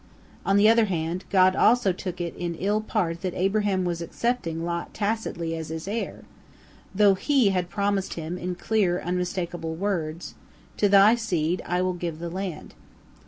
On the other hand, God also took it in ill part that Abraham was accepting Lot tacitly as his heir, though He had promised him, in clear, unmistakable words, "To thy seed will I give the land."